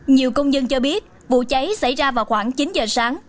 nhiều công nhân cho biết vụ cháy xảy ra vào khoảng chín giờ sáng